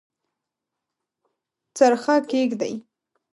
څرخه کښیږدي